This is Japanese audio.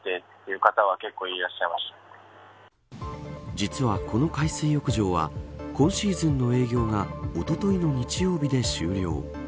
実は、この海水浴場は今シーズンの営業がおとといの日曜日で終了。